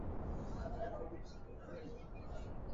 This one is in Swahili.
Pia Mara Wakurya hawaishi tu Tarime